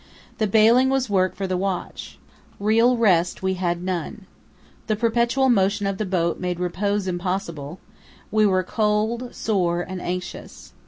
The baling was work for the watch. Real rest we had none. The perpetual motion of the boat made repose impossible; we were cold, sore, and anxious.